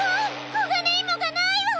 コガネイモがないわ！